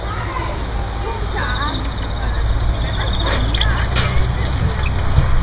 თუმცა აღნიშნულ გადაწყვეტილებას დანია არ შეერთებია.